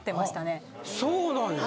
そうなんや。